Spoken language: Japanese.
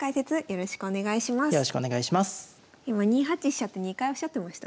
よろしくお願いします。